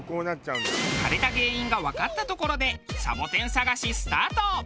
枯れた原因がわかったところでサボテン探しスタート！